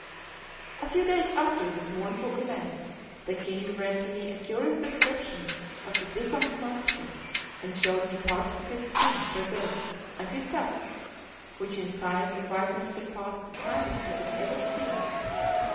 A few days after this mournful event the king read to me a curious description of the defunct monster, and showed me parts of his skin preserved, and his tusks, which in size and whiteness surpassed the finest I had ever seen.